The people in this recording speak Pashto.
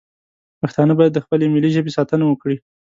پښتانه باید د خپلې ملي ژبې ساتنه وکړي